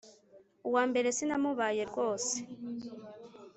uwa mbere sinamubaye rwose,